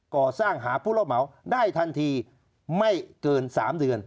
ก่อสร้างหาผู้รับเหมาได้ทันทีไม่เกิน๓เดือน